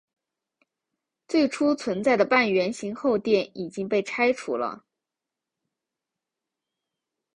最初存在的半圆形后殿已经被拆除了。